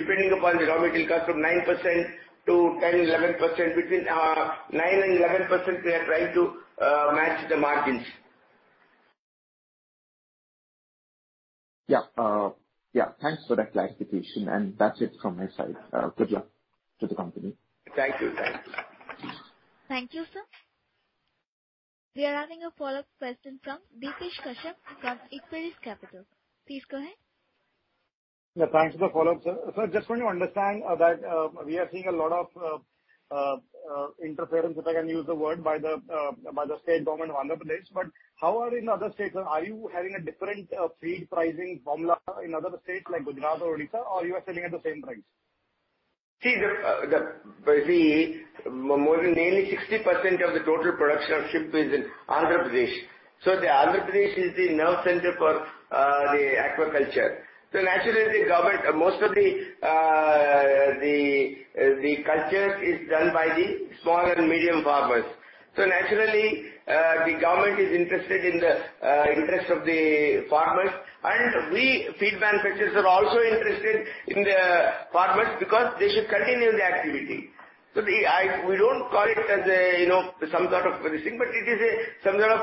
depending upon the raw material cost, from 9% to 10%, 11%. Between 9% and 11%, we are trying to match the margins. Yeah. Yeah, thanks for that clarification, and that's it from my side. Good luck to the company. Thank you. Thank you. Thank you, sir. We are having a follow-up question from Depesh Kashyap from Equirus Capital. Please go ahead. Yeah, thanks for the follow-up, sir. Sir, just want to understand, that, we are seeing a lot of, interference, if I can use the word, by the, by the state government of Andhra Pradesh, but how are you in other states? Are you having a different, feed pricing formula in other states like Gujarat or Odisha, or you are selling at the same price? See, more than nearly 60% of the total production of shrimp is in Andhra Pradesh. So Andhra Pradesh is the nerve center for the aquaculture. So naturally, the government, most of the culture is done by the small and medium farmers. So naturally, the government is interested in the interest of the farmers, and we, feed manufacturers, are also interested in the farmers because they should continue the activity. So, we don't call it as a, you know, some sort of this thing, but it is a some sort of,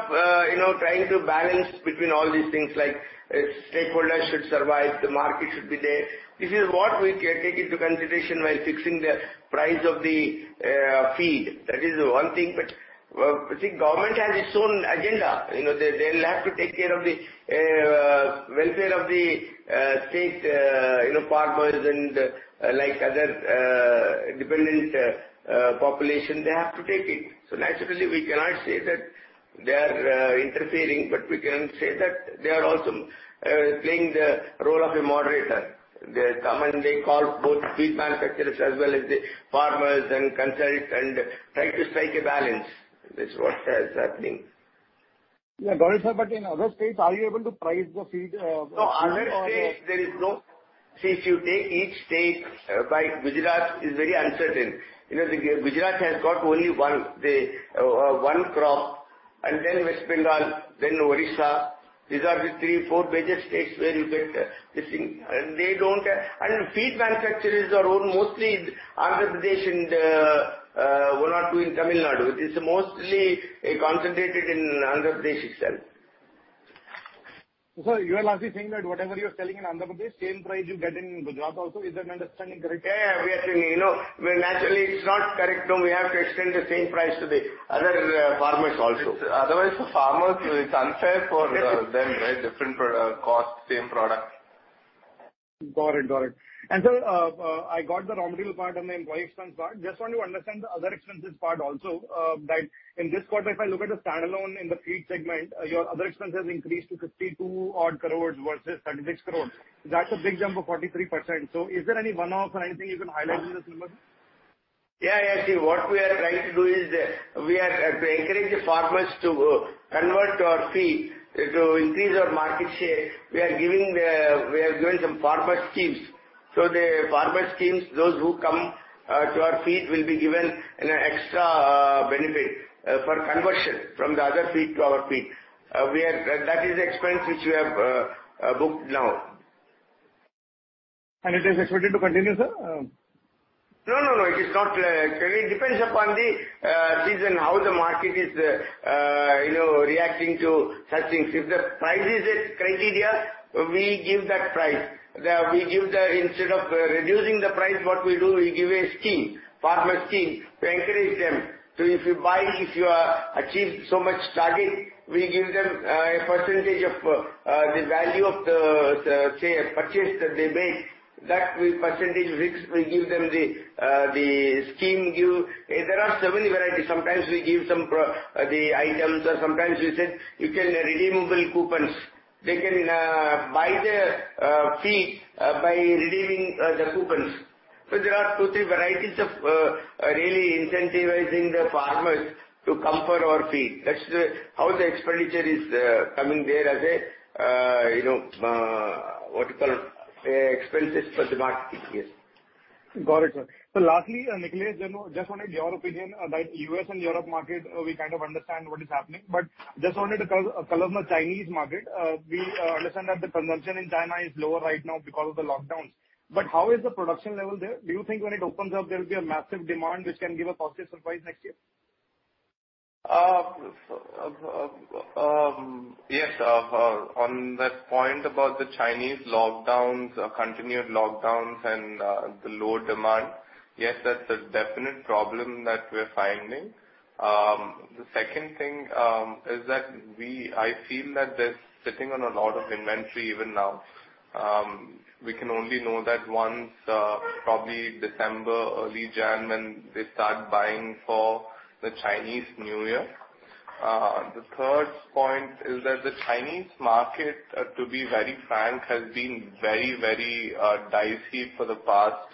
you know, trying to balance between all these things, like, stakeholders should survive, the market should be there. This is what we can take into consideration while fixing the price of the feed. That is the one thing, but see, government has its own agenda. You know, they, they'll have to take care of the welfare of the state, you know, farmers and like other dependent population, they have to take it. So naturally, we cannot say that they are interfering, but we can say that they are also playing the role of a moderator. They come and they call both feed manufacturers as well as the farmers and consult and try to strike a balance. This is what is happening. Yeah, got it, sir, but in other states, are you able to price the feed? No, other states, there is no. See, if you take each state, like Gujarat is very uncertain. You know, Gujarat has got only one, the one crop, and then West Bengal, then Odisha. These are the three, four major states where you get this thing, and they don't. And feed manufacturers are all mostly Andhra Pradesh and one or two in Tamil Nadu. It's mostly concentrated in Andhra Pradesh itself. You are actually saying that whatever you are selling in Andhra Pradesh, same price you get in Gujarat also. Is that understanding correct? Yeah, we are selling, you know, well, naturally, it's not correct. No, we have to extend the same price to the other farmers also. Otherwise, the farmers, it's unfair for them, right? Different product, cost, same product. Got it. Got it. And, sir, I got the raw material part and the employee expense part. Just want to understand the other expenses part also, that in this quarter, if I look at the standalone in the feed segment, your other expenses increased to 52 odd crores versus 36 crores. That's a big jump of 43%. So is there any one-off or anything you can highlight in this number? Yeah, yeah. See, what we are trying to do is, we are to encourage the farmers to convert to our feed, to increase our market share, we are giving the, we are giving some farmer schemes. So the farmer schemes, those who come to our feed will be given an extra benefit for conversion from the other feed to our feed. We are. That is the expense which we have booked now. It is expected to continue, sir? No, no, no, it is not, it depends upon the, season, how the market is, you know, reacting to such things. If the price is a criteria, we give that price. Instead of reducing the price, what we do, we give a scheme, farmer scheme, to encourage them. So if you buy, if you achieve so much target, we give them a percentage of the value of the, the, say, purchase that they make, that we percentage, we give them the, the scheme give. There are so many varieties. Sometimes we give some the items, or sometimes we said you can redeem mobile coupons. They can buy their feed by redeeming the coupons. So there are two, three varieties of really incentivizing the farmers to come for our feed. That's how the expenditure is coming there as a, you know, what you call, expenses for the market. Yes. Got it, sir. So lastly, Nikhilesh, you know, just wanted your opinion about US and Europe market. We kind of understand what is happening, but just wanted to cover the Chinese market. We understand that the consumption in China is lower right now because of the lockdowns, but how is the production level there? Do you think when it opens up, there will be a massive demand which can give a positive surprise next year? Yes, on that point about the Chinese lockdowns, continued lockdowns and the lower demand, yes, that's a definite problem that we're finding. The second thing is that we... I feel that they're sitting on a lot of inventory even now. We can only know that once, probably December, early January, when they start buying for the Chinese New Year. The third point is that the Chinese market, to be very frank, has been very, very dicey for the past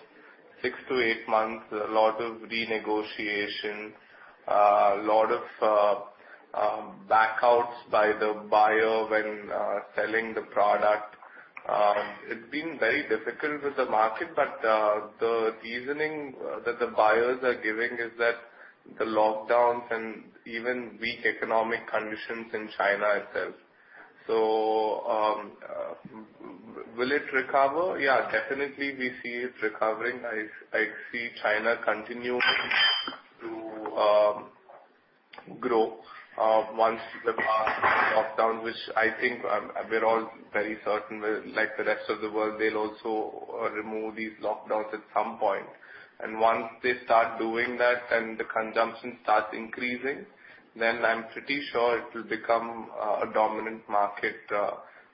six to eight months. A lot of renegotiation, a lot of backouts by the buyer when selling the product. It's been very difficult with the market, but the reasoning that the buyers are giving is that the lockdowns and even weak economic conditions in China itself. So, will it recover? Yeah, definitely, we see it recovering. I see China continuing to grow once the past lockdowns, which I think, we're all very certain, like the rest of the world, they'll also remove these lockdowns at some point. And once they start doing that and the consumption starts increasing, then I'm pretty sure it will become a dominant market,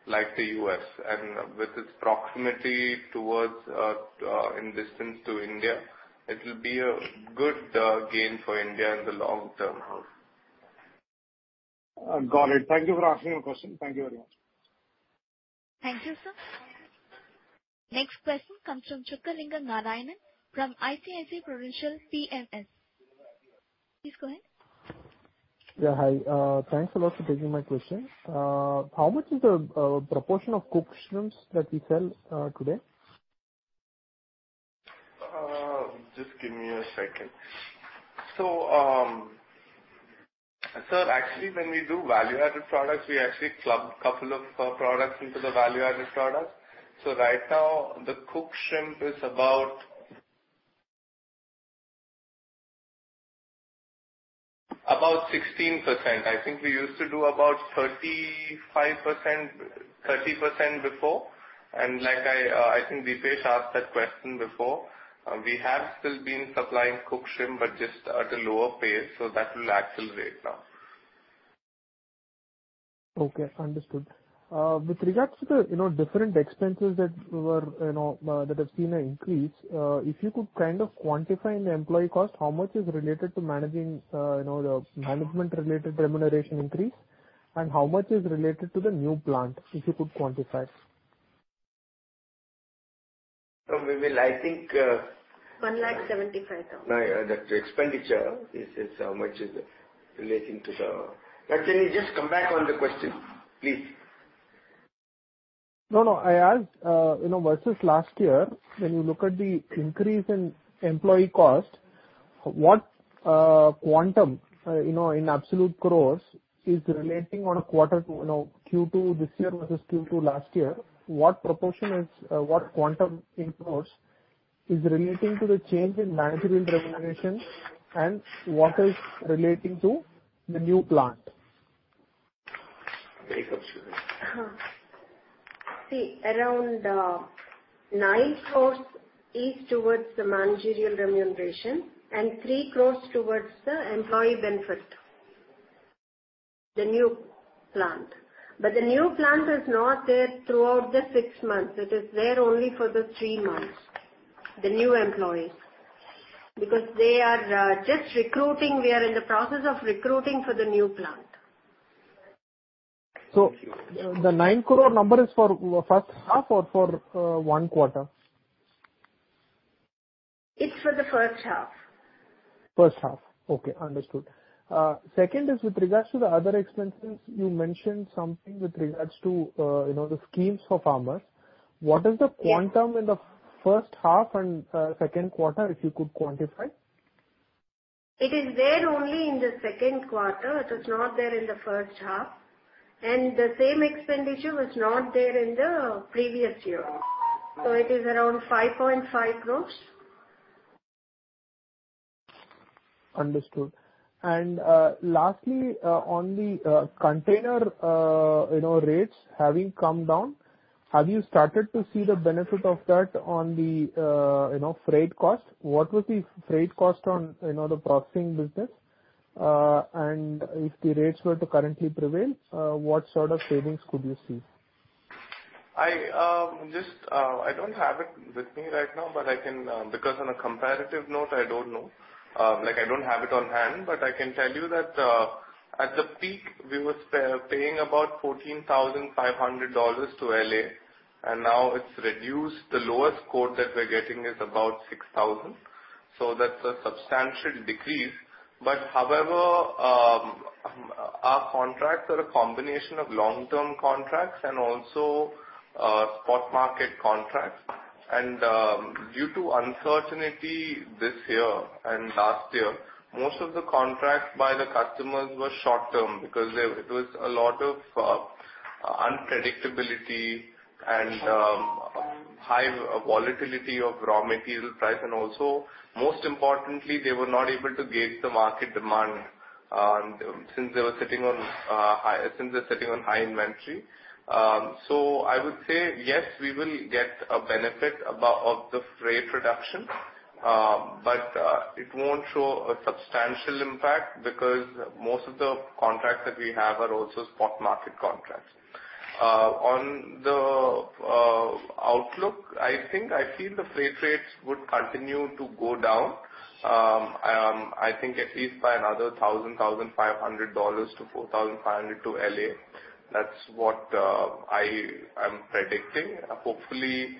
like the U.S. And with its proximity towards, in distance to India, it will be a good gain for India in the long term. Got it. Thank you for answering your question. Thank you very much. Thank you, sir. Next question comes from Chockalingam Narayanan from ICICI Prudential AMC. Please go ahead. Yeah, hi. Thanks a lot for taking my question. How much is the proportion of cooked shrimps that you sell today? Just give me a second. So, sir, actually, when we do value-added products, we actually club couple of, products into the value-added products. So right now, the cooked shrimp is about, about 16%. I think we used to do about 35%, 30% before. And like I, I think Deepesh asked that question before. We have still been supplying cooked shrimp, but just at a lower pace, so that will accelerate now. Okay, understood. With regards to the, you know, different expenses that were, you know, that have seen an increase, if you could kind of quantify an employee cost, how much is related to managing, you know, the management-related remuneration increase, and how much is related to the new plant, if you could quantify it? We will, I think, 175,000. The expenditure, he says, how much is relating to the...? Can you just come back on the question, please? No, no. I asked, you know, versus last year, when you look at the increase in employee cost, what quantum, you know, in absolute crores, is relating on a quarter to, you know, Q2 this year versus Q2 last year, what proportion is, what quantum in INR crores is relating to the change in managerial remuneration, and what is relating to the new plant? Make up, Santhi. See, around 9 crore is towards the managerial remuneration and 3 crore towards the employee benefit, the new plant. But the new plant is not there throughout the six months. It is there only for the three months, the new employees, because they are just recruiting. We are in the process of recruiting for the new plant. The 9 crore number is for first half or for 1 quarter?... It's for the first half. First half. Okay, understood. Second is with regards to the other expenses, you mentioned something with regards to, you know, the schemes for farmers. Yeah. What is the quantum in the first half and second quarter, if you could quantify? It is there only in the second quarter. It is not there in the first half, and the same expenditure was not there in the previous year. So it is around 5.5 crores. Understood. Lastly, on the container rates having come down, have you started to see the benefit of that on the, you know, freight cost? What was the freight cost on, you know, the processing business, and if the rates were to currently prevail, what sort of savings could you see? I just don't have it with me right now, but I can. Because on a comparative note, I don't know. Like, I don't have it on hand, but I can tell you that at the peak, we were paying about $14,500 to L.A., and now it's reduced. The lowest quote that we're getting is about $6,000, so that's a substantial decrease. But however, our contracts are a combination of long-term contracts and also spot market contracts. And due to uncertainty this year and last year, most of the contracts by the customers were short-term because there it was a lot of unpredictability and high volatility of raw material price. And also, most importantly, they were not able to gauge the market demand, since they're sitting on high inventory. So I would say, yes, we will get a benefit of the freight reduction, but it won't show a substantial impact because most of the contracts that we have are also spot market contracts. On the outlook, I think I feel the freight rates would continue to go down, I think at least by another $1,000-$1,500 to $4,500 to L.A. That's what I'm predicting. Hopefully,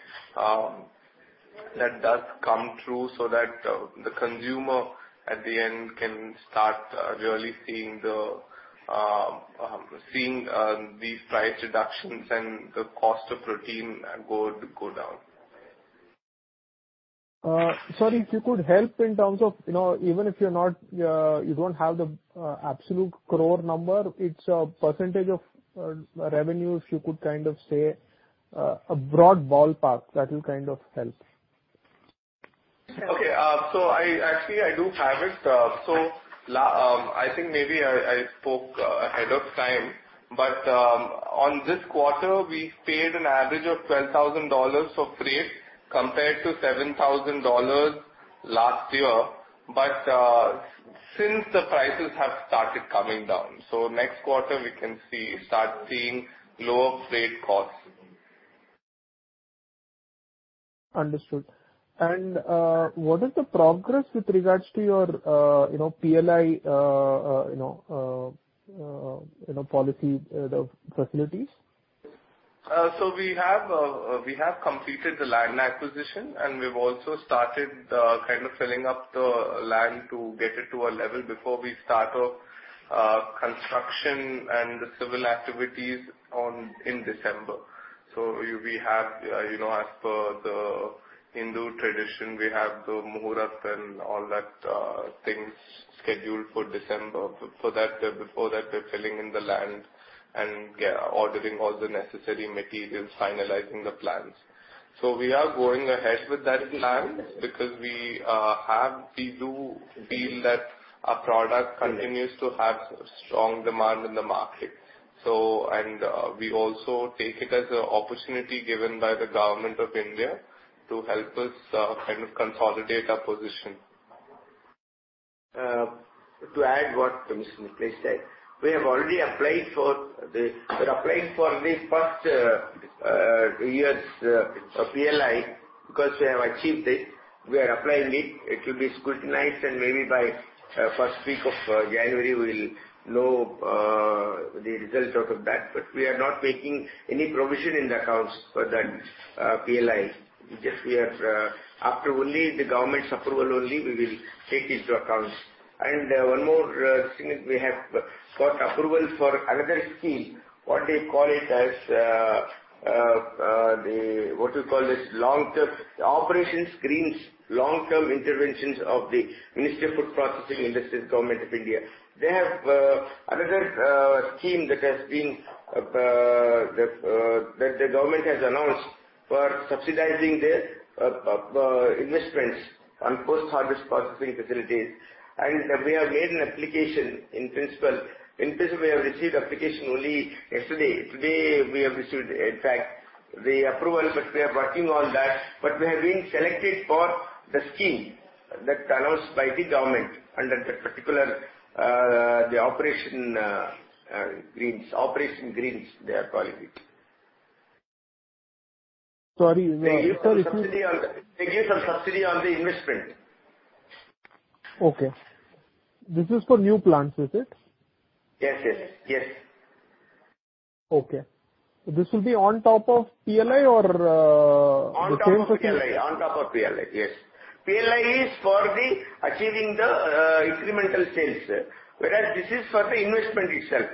that does come through so that the consumer at the end can start really seeing these price reductions and the cost of protein go down. Sir, if you could help in terms of, you know, even if you're not, you don't have the absolute crore number, it's a percentage of revenue, if you could kind of say a broad ballpark, that will kind of help. Okay. So I actually, I do have it. So, I think maybe I spoke ahead of time, but, on this quarter, we paid an average of $12,000 for freight, compared to $7,000 last year, but, since the prices have started coming down. So next quarter, we can see, start seeing lower freight costs. Understood. And, what is the progress with regards to your, you know, PLI, you know, policy, the facilities? So we have completed the land acquisition, and we've also started kind of filling up the land to get it to a level before we start construction and the civil activities in December. So we have, you know, as per the Hindu tradition, we have the muhurat and all that things scheduled for December. For that, before that, we're filling in the land and, yeah, ordering all the necessary materials, finalizing the plans. So we are going ahead with that plan because we have—we do feel that our product continues to have strong demand in the market. So... And we also take it as an opportunity given by the Government of India to help us kind of consolidate our position. To add what Mr. Nikhilesh said, we have already applied for the... We're applying for the first years of PLI, because we have achieved it. We are applying it. It will be scrutinized and maybe by first week of January, we will know the result out of that. But we are not making any provision in the accounts for that PLI. Just we are after only the government's approval only, we will take it to accounts. And one more thing, we have got approval for another scheme. What they call it as long-term operations schemes, long-term interventions of the Ministry of Food Processing Industries, Government of India. They have another scheme that the government has announced for subsidizing the investments on post-harvest processing facilities. We have made an application in principle. In principle, we have received application only yesterday. Today, we have received, in fact, the approval, but we are working on that. We have been selected for the scheme that allows by the government under the particular Operation Greens, Operation Greens, they are calling it. Sorry- They give a subsidy on the investment.... Okay. This is for new plants, is it? Yes, yes, yes. Okay. This will be on top of PLI or, On top of PLI. On top of PLI, yes. PLI is for achieving the incremental sales, whereas this is for the investment itself.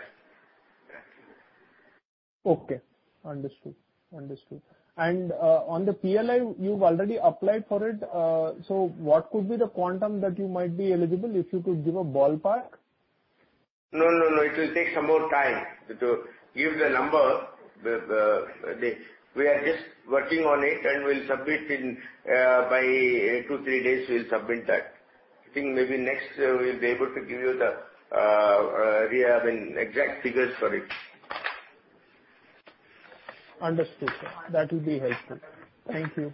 Okay, understood. Understood. And, on the PLI, you've already applied for it, so what could be the quantum that you might be eligible, if you could give a ballpark? No, no, no. It will take some more time to give the number. We are just working on it, and we'll submit in by 2-3 days, we'll submit that. I think maybe next, we'll be able to give you the exact figures for it. Understood, sir. That would be helpful. Thank you.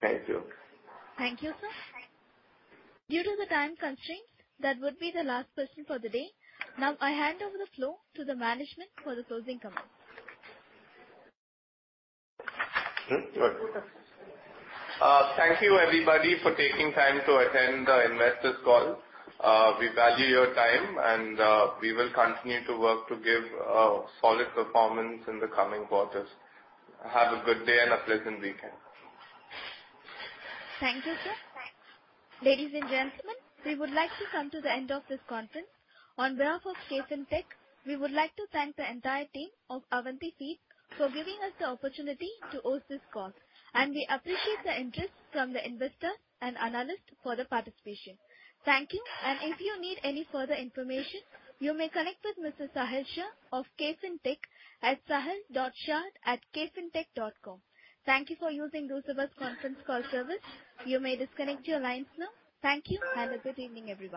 Thank you. Thank you, sir. Due to the time constraints, that would be the last question for the day. Now, I hand over the floor to the management for the closing comments. Hmm, good. Thank you, everybody, for taking time to attend the investors call. We value your time, and we will continue to work to give solid performance in the coming quarters. Have a good day and a pleasant weekend. Thank you, sir. Ladies and gentlemen, we would like to come to the end of this conference. On behalf of Christensen, we would like to thank the entire team of Avanti Feeds for giving us the opportunity to host this call, and we appreciate the interest from the investors and analysts for the participation. Thank you, and if you need any further information, you may connect with Mr. Sahil Shah of Christensen at sahil.shah@christensenir.com. Thank you for using Chorus Call Conference Call service. You may disconnect your lines now. Thank you, and a good evening, everyone.